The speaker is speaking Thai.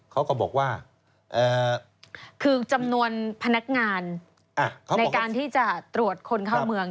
เขาก็บอกว่าเอ่อคือจำนวนพนักงานอ่ะเขาบอกว่าในการที่จะตรวจคนเข้าเมือง